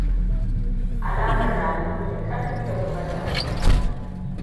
Alamar na nuni da ƙarfi da kuma jarumta.